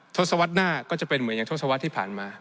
ทศวรรษหน้าก็จะเป็นเหมือนอย่างทศวรรษที่ผ่านมา